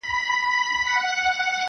موږ به تر کله د لمبو له څنګه شپې تېروو-